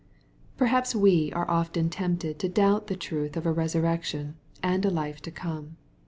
Perhaps we are often tempted to doubt the truth of a resurrection, and a life to come.